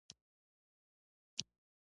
زړه چې مئین شي په صحرا باندې مزلې کوي